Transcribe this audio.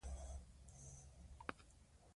که پېیر کوري د موادو پرتله ونه کړي، پایله به ناسم وي.